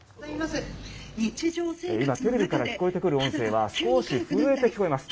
今テレビから聞こえてくる音声は少し震えて聞こえます。